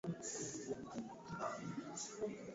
Salum Hamduni kuchukua nafasi ya Brigedia Jenerali John Mbungo